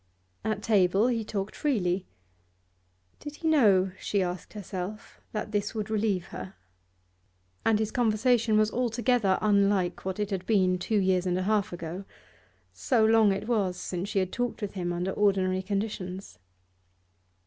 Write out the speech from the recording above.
At table he talked freely; did he know she asked herself that this would relieve her? And his conversation was altogether unlike what it had been two years and a half ago so long it was since she had talked with him under ordinary conditions.